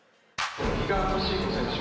比嘉敏彦選手